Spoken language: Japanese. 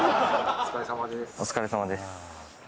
お疲れさまです。